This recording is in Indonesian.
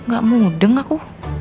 gak mudeng aku